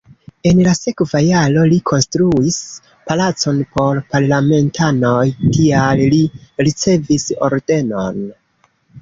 En la sekva jaro li konstruis palacon por parlamentanoj, tial li ricevis ordenon.